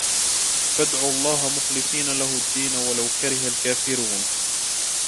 فادعوا الله مخلصين له الدين ولو كره الكافرون